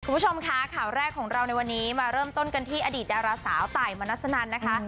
คุณผู้ชมคะข่าวแรกของเราในวันนี้มาเริ่มต้นกันที่อดีตดาราสาวตายมนัสนันนะคะ